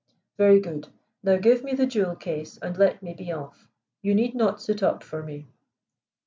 "Very good. Now give me the jewel case, and let me be off. You need not sit up for me."